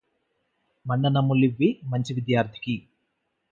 మండనమ్ములివ్వి మంచి విద్యార్థికి